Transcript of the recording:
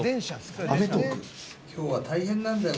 今日は大変なんだよ。